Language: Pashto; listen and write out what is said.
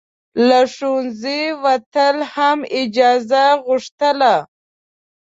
له ښوونځي وتل هم اجازه غوښتله.